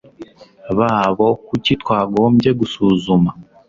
babo Kuki twagombye gusuzuma